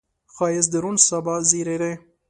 ښایست د روڼ سبا زیری دی